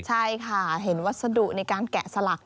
ใช่ค่ะเห็นวัสดุในการแกะสลัก